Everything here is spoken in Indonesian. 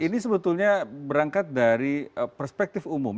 ini sebetulnya berangkat dari perspektif umum